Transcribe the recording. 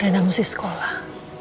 rena mesti sekolah